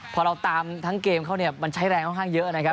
พอเราตามทั้งเกมเข้าเนี่ยมันใช้แรงโค่งเยอะนะครับ